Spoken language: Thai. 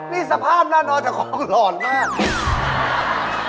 นี่สภาพน่านอนจากของหลอดมาก